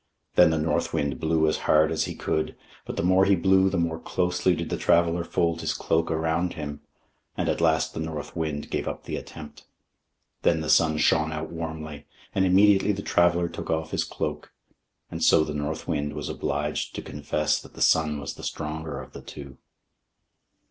Then the North Wind blew as hard as he could, but the more he blew the more closely did the traveler fold his cloak around him; and at last the North Wind gave up the attempt. Then the Sun shined out warmly, and immediately the traveler took off his cloak. And so the North Wind was obliged to confess that the Sun was the stronger of the two.